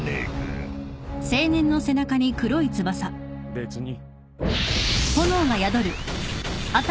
別に。